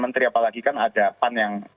menteri apalagi kan ada pan yang